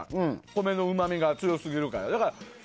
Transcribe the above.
米のうまみが強すぎるから。